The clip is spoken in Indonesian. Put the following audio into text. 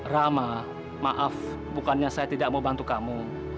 rama maaf bukannya saya tidak mau bantu kamu